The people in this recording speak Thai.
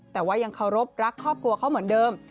แต่ว่ายังเคารพรักครอบครัวเขาเหมือนเดิม